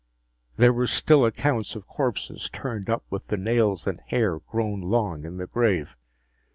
There were still accounts of corpses turned up with the nails and hair grown long in the grave.